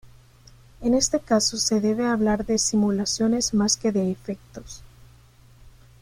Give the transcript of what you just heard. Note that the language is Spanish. En este caso se debe hablar de simulaciones más que de efectos.